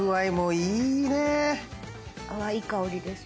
いい香りですよ。